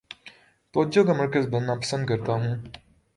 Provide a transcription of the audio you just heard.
توجہ کا مرکز بننا پسند کرتا ہوں